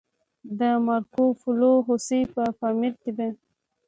د مارکوپولو هوسۍ په پامیر کې ده